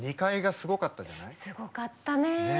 すごかったね。